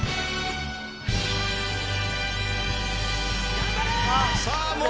頑張れ！